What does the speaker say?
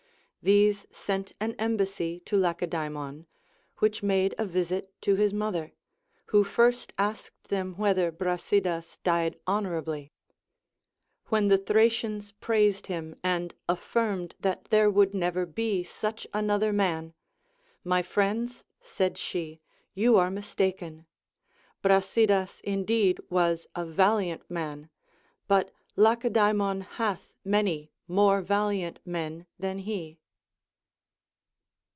These sent an embassy to Lacedaemon, which made a visit to his mother, Λνΐιο first asked them whether Brasidas died honorably. ΛVhen the Thracians praised him, and afifirmed that there would never be such another man. My friends, said she, you are mistaken ; Brasidas indeed was a valiant man, but Lacedaemon hath many more valiant men than he.